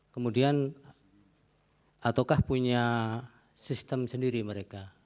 kemudian ataukah punya sistem sendiri mereka